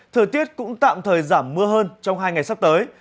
thời tiết cũng tạm thời giảm mưa hơn trong hai ngày sắp tới